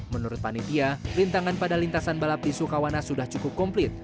menurut panitia rintangan pada lintasan balap di sukawana sudah cukup komplit